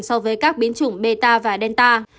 so với các biến chủng beta và delta